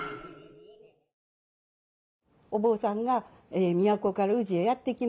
お坊さんが都から宇治へやって来ます。